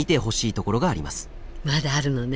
まだあるのね？